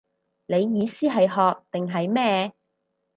你意思係學定係咩